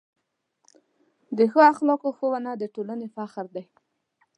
د ښو اخلاقو ښوونه د ټولنې فخر دی.